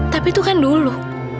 tapi itu kan dulu